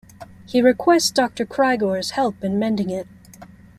He requests Doctor Crygor's help in mending it.